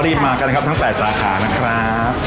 มากันนะครับทั้ง๘สาขานะครับ